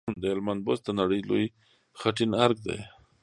د هلمند بست د نړۍ لوی خټین ارک دی